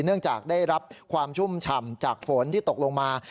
เนื่องจากได้รับความชุ่มฉ่ำจากฝนที่ตกลงมา